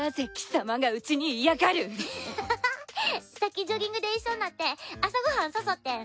さっきジョギングで一緒になって朝ご飯誘ってん。